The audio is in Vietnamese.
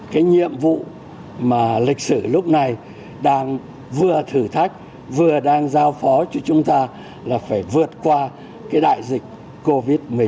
cái nhiệm vụ mà lịch sử lúc này đang vừa thử thách vừa đang giao phó cho chúng ta là phải vượt qua cái đại dịch covid một mươi chín